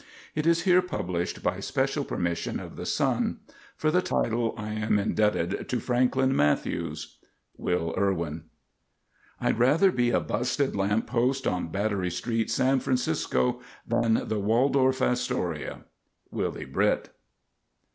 It is here published by special permission of The Sun. For the title, I am indebted to Franklin Matthews. W.I. "I'd rather be a busted lamp post on Battery Street, San Francisco, than the Waldorf Astoria." Willie Britt.